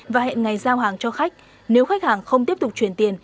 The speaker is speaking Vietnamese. và hẹn ngày giao hàng cho khách nếu khách hàng không tiếp tục chuyển tiền